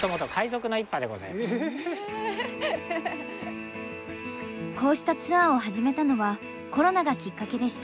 こうしたツアーを始めたのはコロナがきっかけでした。